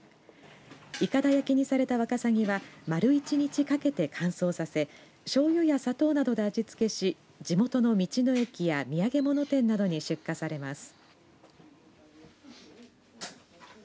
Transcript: いかだ焼きにされたわかさぎは丸１日かけて乾燥させしょうゆや砂糖などで味付けし地元の道の駅や土産物店などに出荷されます。